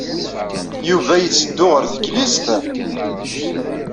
Yuba yetteddu ɣer teklizt?